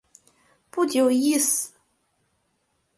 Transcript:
不久亦死。